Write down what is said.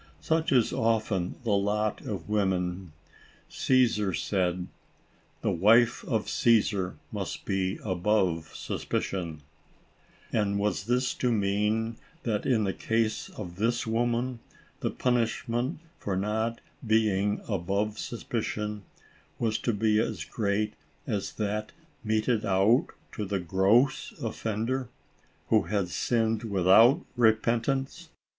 Such is often the lot of woman. Caesar said, " The wife of Caesar must be above suspicion ;" and was this to mean that, in the case of this woman, the punishment for not being above suspicion, was to be as great as that meted out to the gross offender, who. has sinned without repentance